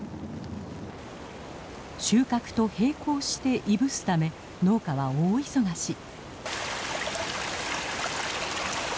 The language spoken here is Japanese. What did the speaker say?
収穫と並行していぶすため農家は大忙し。